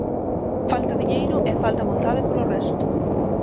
Falta diñeiro e falta vontade polo resto.